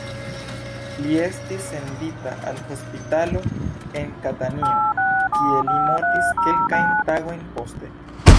Li estis sendita al hospitalo en Katanio, kie li mortis kelkajn tagojn poste.